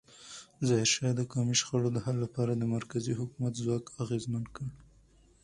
ظاهرشاه د قومي شخړو د حل لپاره د مرکزي حکومت ځواک اغېزمن کړ.